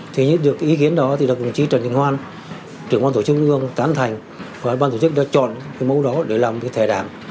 thế nhưng được ý kiến đó thì đặc đồng chí trần trịnh hoan trưởng quan tổ chức trung ương tán thành và ban tổ chức đã chọn mẫu đó để làm thẻ đảng